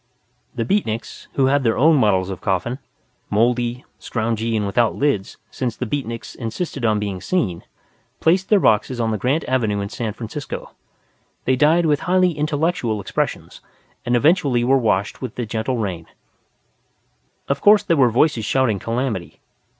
The Beatniks, who had their own models of coffin mouldy, scroungy, and without lids, since the Beatniks insisted on being seen placed their boxes on the Grant Avenue in San Francisco. They died with highly intellectual expressions, and eventually were washed by the gentle rain. Of course there were voices shouting calamity.